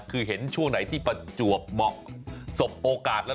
คือเห็นช่วงไหนที่ประจวบเหมาะสบโอกาสแล้ว